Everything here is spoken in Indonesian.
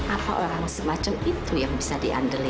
apa orang semacam itu yang bisa diandalin